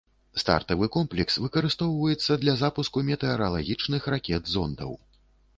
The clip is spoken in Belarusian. Стартавы комплекс выкарыстоўваецца для запуску метэаралагічных ракет-зондаў.